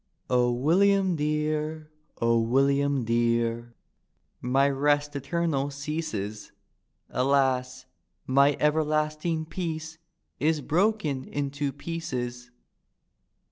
"O WiUiamdear! O William dear I My rest eternal ceases; Alas! my everlasting peace Is broken into pieces.